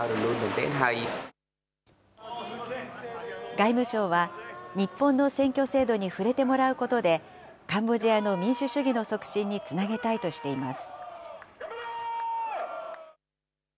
外務省は、日本の選挙制度に触れてもらうことで、カンボジアの民主主義の促進につなげたいとしています。